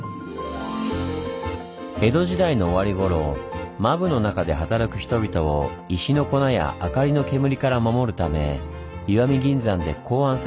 江戸時代の終わりごろ間歩の中で働く人々を石の粉や明かりの煙から守るため石見銀山で考案されたのが福面。